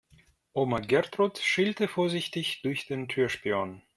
Oma Gertrud schielte vorsichtig durch den Türspion.